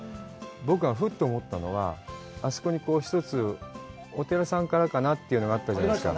僕が、ふっと思ったのは、あそこに一つ、お寺さんからかなというのがあったじゃないですか。